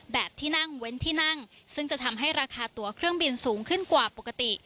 แบบที่นั่งเว้นที่นั่งซึ่งจะทำให้ราคาตัวเครื่องบินสูงขึ้นกว่าปกติ